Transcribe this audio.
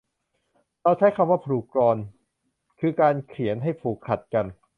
เราใช้คำว่าผูกกลอน คือการเขียนให้ผูกขัดกัน